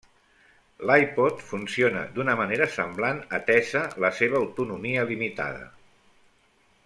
L'iPod funciona d'una manera semblant, atesa la seva autonomia limitada.